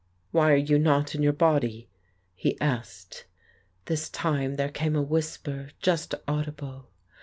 "Why are you not in your body?" he asked. This time there came a whisper just audible.